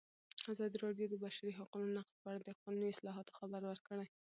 ازادي راډیو د د بشري حقونو نقض په اړه د قانوني اصلاحاتو خبر ورکړی.